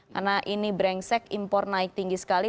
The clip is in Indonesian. karena ini brengsek impor naik tinggi sekali